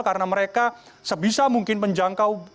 karena mereka sebisa mungkin menjangkau